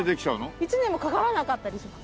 １年もかからなかったりします。